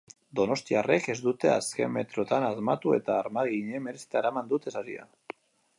Donostiarrek ez dute azken metroetan asmatu eta armaginek merezita eraman dute saria.